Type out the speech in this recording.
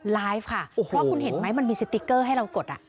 ไลฟ์ค่ะเพราะคุณเห็นไหมมันมีสติ๊กเกอร์ให้เรากด